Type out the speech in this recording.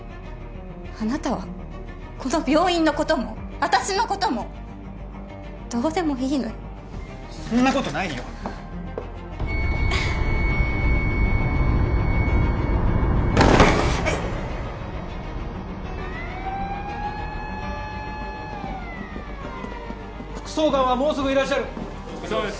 あなたはこの病院のことも私のこともどうでもいいのよそんなことないようっ副総監はもうすぐいらっしゃるお疲れさまです